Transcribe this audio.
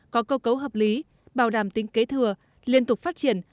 có câu cấu hợp lý bào đàm tính kế thừa liên tục phát triển